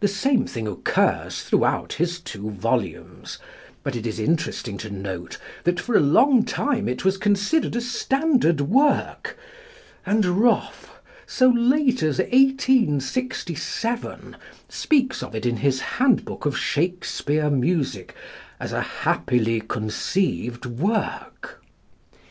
The same kind of thing occurs throughout his two volumes; but it is interesting to note that for a long time it was considered a standard work, and Roffe, so late as 1867, speaks of it in his +Handbook of Shakespeare Music+ as "a happily conceived work."